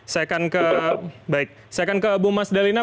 saya akan ke bu mas dalina